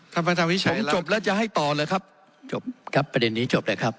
ผมจบแล้วจะให้ต่อเลยครับครับประเด็นนี้จบเลยครับ